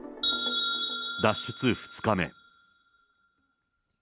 脱出２日目。